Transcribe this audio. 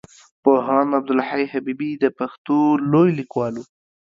پوهاند عبدالحی حبيبي د پښتو لوی ليکوال وو.